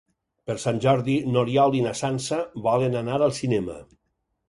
Per Sant Jordi n'Oriol i na Sança volen anar al cinema.